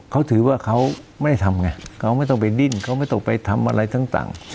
เขาถือว่าเขาไม่ทำไงเขาไม่ต้องไปดิ้นเขาไม่ต้องไปทำอะไรต่าง